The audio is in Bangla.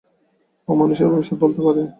ও মানুষের ভবিষ্যত বলতে পারে।